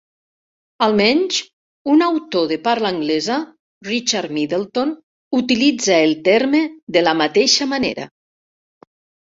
Almenys un autor de parla anglesa, Richard Middleton, utilitza el terme de la mateixa manera.